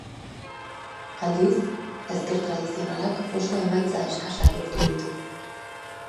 Aldiz, ezker tradizionalak emaitza oso eskasak lortu ditu.